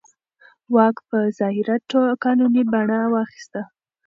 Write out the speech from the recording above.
واک په ظاهره قانوني بڼه واخیسته.